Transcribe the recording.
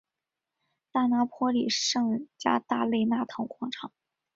大拿坡里圣加大肋纳堂广场。